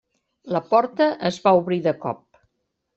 La porta es va obrir de cop.